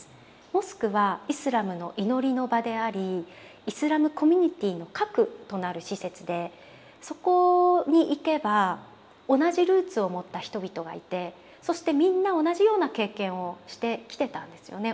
モスクはイスラムの祈りの場でありイスラムコミュニティーの核となる施設でそこに行けば同じルーツを持った人々がいてそしてみんな同じような経験をしてきてたんですよね。